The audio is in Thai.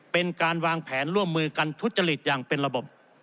เป็นการวางแผนร่วมมือกันทุจริตอย่างเป็นระบบ